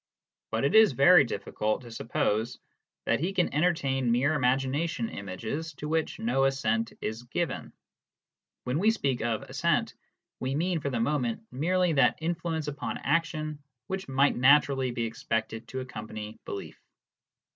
But it is very difficult to suppose that he can entertain mere imagination images to which no assent is given. (When we speak of " assent " we mean for the moment merely that influence upon action which might naturally be expected to accompany belief.)